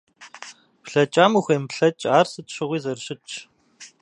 Блэкӏам ухуемыплъэкӏ, ар сыт щыгъуи зэрыщытщ.